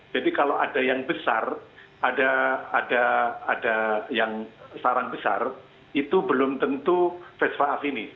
jadi kalau ada yang besar ada yang sarang besar itu belum tentu vespa afini